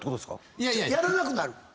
やらなくなる。